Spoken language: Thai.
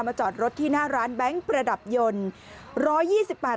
จอดรถที่หน้าร้านแบงค์ประดับยนต์